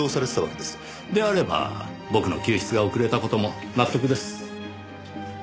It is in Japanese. であれば僕の救出が遅れた事も納得です。